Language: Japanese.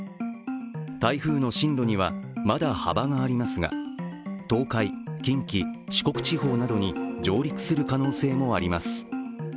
台風の進路には、まだ幅がありますが東海、近畿、四国地方などに上陸する可能性もあります。